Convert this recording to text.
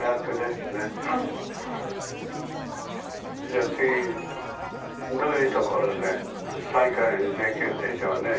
じゃあ次どういうところで再会できるでしょうね